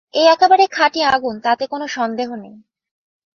এ একেবার খাঁটি আগুন তাতে কোনো সন্দেহ নেই।